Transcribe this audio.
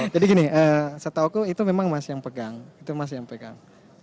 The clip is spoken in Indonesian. jadi gini setauku itu memang mas yang pegang